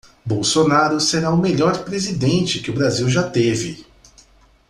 Bolsonaro será o melhor presidente que o Brasil já teve!